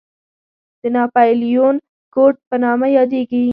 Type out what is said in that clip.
د ناپلیون کوډ په نامه یادېږي.